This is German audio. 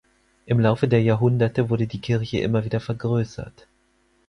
Im Laufe der Jahrhunderte wurde die Kirche immer wieder vergrößert.